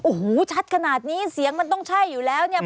โอ้โหชัดขนาดนี้เสียงมันต้องใช่อยู่แล้วเนี่ย